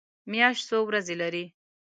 میاشت څو ورځې لري؟